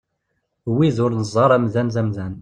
Wid ur neẓẓar amdan d amdan.